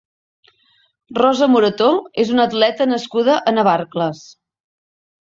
Rosa Morató és una atleta nascuda a Navarcles.